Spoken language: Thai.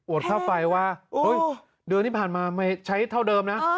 ค่าไฟว่าเฮ้ยเดือนที่ผ่านมาไม่ใช้เท่าเดิมนะ